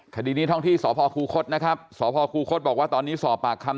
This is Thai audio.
คดีนี้ท้องที่สพคูคศนะครับสพคูคศบอกว่าตอนนี้สอบปากคำ